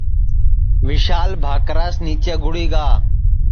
وشال بھاکراس نیچے گُڑی گا